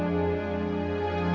ayang kamu mau ke mana